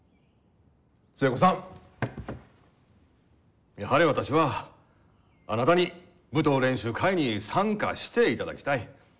寿恵子さんやはり私はあなたに舞踏練習会に参加していただきたい。